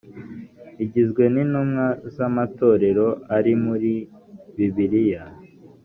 igizwe n’intumwa z’amatorero ari muri bibiliya